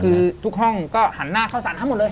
คือทุกห้องก็หันหน้าเข้าสารทั้งหมดเลย